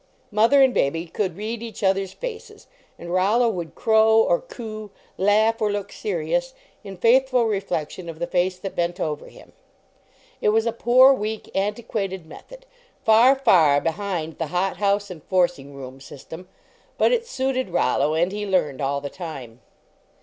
Mother and baby could read each other s faces, and Rollo would crow, or coo, laugh or look serious, in faithful reflection of the face that bent over him. It was a poor, weak, antiquated method, far, far behind the hot LEARNING TO BREATHE house and forcing room system. But it suited Rollo, and he learned all the time.